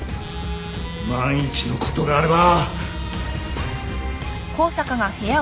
万一のことがあれば。